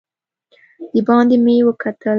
دباندې مې وکتل.